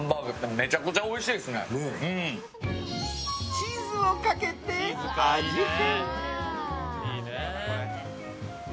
チーズをかけて味変。